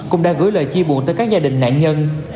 cũng đã gửi lời chi buồn tới các gia đình nạn nhân